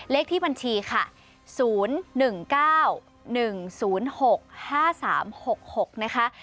เลขที่บัญชีค่ะ๐๑๙๑๐๖๕๓๖๖นะคะ